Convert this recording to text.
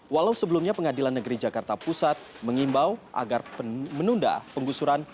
walau sebelumnya pengadilan negeri jakarta pusat mengimbau agar menunda penggusuran